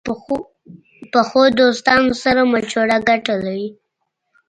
پخو دوستانو سره مشوره ګټه لري